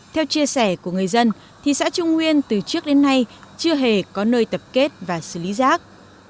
theo chia sẻ của người dân thì xã trung nguyên từ trước đến nay chưa hề có nơi tập kết và xử lý rác